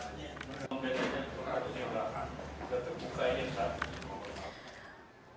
pembebasan tersebut tidak terbuka